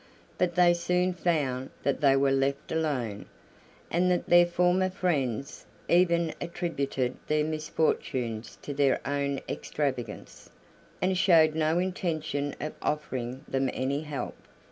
But they soon found that they were left alone, and that their former friends even attributed their misfortunes to their own extravagance, and showed no intention of offering them any help.